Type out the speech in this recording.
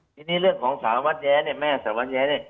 ทีนี้เรื่องของสารวัตรแย้เนี่ยแม่สารวัตรแย้เนี่ย